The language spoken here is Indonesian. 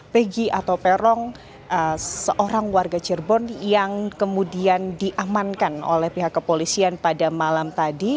pegi atau perong seorang warga cirebon yang kemudian diamankan oleh pihak kepolisian pada malam tadi